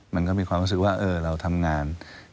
มันก็มีความรู้สึกว่าเราทำงาน